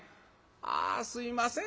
「あすいません